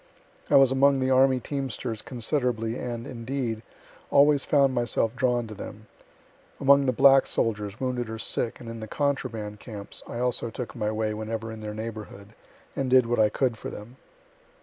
I was among the army teamsters considerably, and, indeed, always found myself drawn to them. Among the black soldiers, wounded or sick, and in the contraband camps, I also took my way whenever in their neighborhood, and did what I could for them.